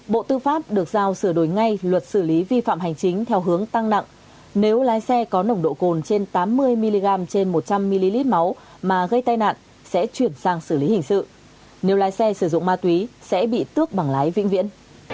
bộ tư pháp được giao sửa đổi ngay luật xử lý vi phạm hành chính theo hướng tăng nặng nếu lái xe có nồng độ cồn trên tám mươi mg trên một trăm linh ml máu mà gây tai nạn sẽ chuyển sang xử lý hình sự nếu lái xe sử dụng ma túy sẽ bị tước bằng lái vĩnh viễn